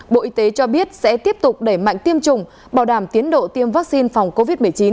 bộ y tế cho biết sẽ tiếp tục đẩy mạnh tiêm chủng bảo đảm tiến độ tiêm vaccine phòng covid một mươi chín